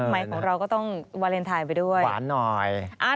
ของเราก็ต้องวาเลนไทยไปด้วยหวานหน่อย